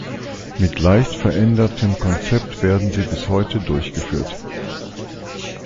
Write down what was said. Mit leicht verändertem Konzept werden sie bis heute durchgeführt.